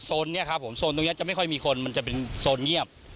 เนี่ยครับผมโซนตรงนี้จะไม่ค่อยมีคนมันจะเป็นโซนเงียบ